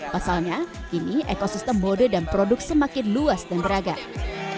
pasalnya kini ekosistem mode dan produk semakin luas dan beragam